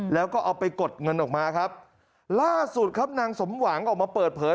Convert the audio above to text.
แล้วก็เอาไปกดเงินออกมาครับล่าสุดครับนางสมหวังออกมาเปิดเผย